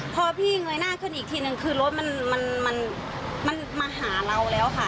พอพี่เงยหน้าขึ้นอีกทีนึงคือรถมันมาหาเราแล้วค่ะ